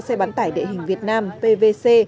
xe bán tải địa hình việt nam pvc